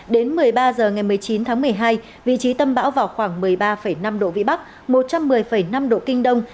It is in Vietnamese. đến một mươi ba h ngày một mươi chín tháng một mươi hai vị trí tâm bão vào khoảng một mươi ba năm độ vĩ bắc một trăm một mươi năm độ kinh đông